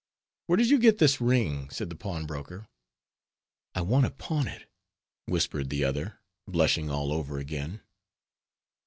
"Where did you get this ring?" said the pawnbroker. "I want to pawn it," whispered the other, blushing all over again.